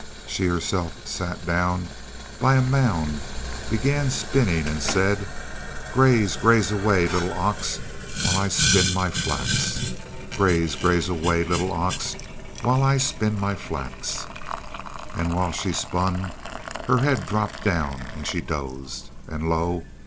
She herself sat down by a mound, began spinning, and said: "Graze, graze away, little ox, while I spin my flax! Graze, graze away, little ox, while I spin my flax!" And while she spun, her head dropped down and she dozed. And, lo!